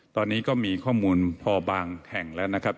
ตอนนี้ก็มีข้อมูลพอบางแห่งแล้วนะครับ